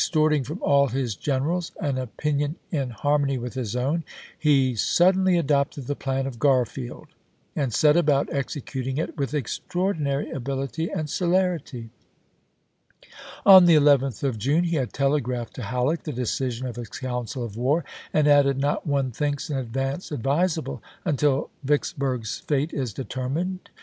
toi'ting from all his generals an opinion in harmony with his own, he suddenly adopted the plan of G arfield, and set about executing it with extraor dinary ability and celerity. On the 11th of June he had telegraphed to Halleck the decision of his council of war, and added: "Not one thinks an advance advisable until Vicksburg's fate is deter mined.